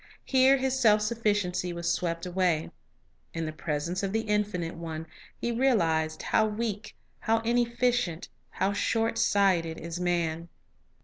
Here his self sufficiency was swept away. In the pres ence of the Infinite One he realized how weak, how inefficient, how short sighted, is man.